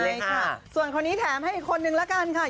ใช่ค่ะส่วนคนนี้แถมให้อีกคนนึงละกันค่ะ